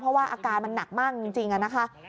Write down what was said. เพราะว่าอาการมันหนักมากจริงนะคะ